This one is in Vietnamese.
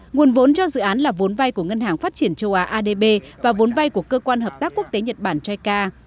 nguồn vốn cho dự án là vốn vai của ngân hàng phát triển châu á adb và vốn vai của cơ quan hợp tác quốc tế nhật bản chai ca